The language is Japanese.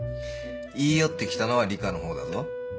言い寄って来たのは梨花のほうだぞ。